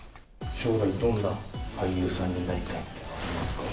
将来、どんな俳優さんになりたいとかありますか？